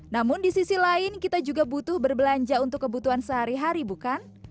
namun di sisi lain kita juga butuh berbelanja untuk kebutuhan sehari hari bukan